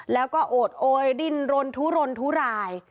แล้วก็โอดโอยดิ้นรนทุรนทุราย